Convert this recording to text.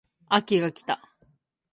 秋が来た